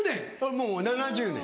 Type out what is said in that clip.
もう７０年。